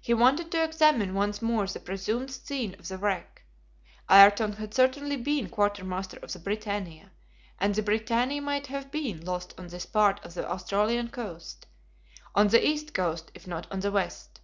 He wanted to examine once more the presumed scene of the wreck. Ayrton had certainly been quartermaster on the BRITANNIA, and the BRITANNIA might have been lost on this part of the Australian coast; on the east coast if not on the west.